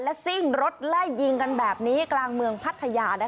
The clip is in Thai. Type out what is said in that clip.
ซิ่งรถไล่ยิงกันแบบนี้กลางเมืองพัทยา